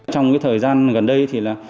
trong thời gian gần đây